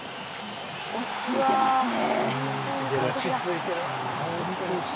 落ち着いていますね。